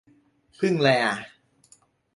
พึ่งไรอ่ะ